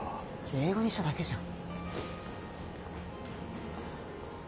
英語にしただけじゃん。